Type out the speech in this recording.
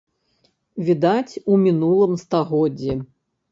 Відаць, у мінулым стагоддзі.